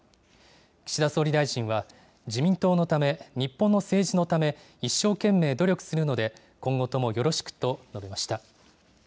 岸田総理大臣は自民党のため、日本の政治のため、一生懸命努力するので、今後ともよろしくと述べました。